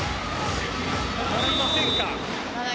使いませんか。